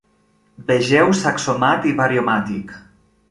Vegeu Saxomat i Variomatic.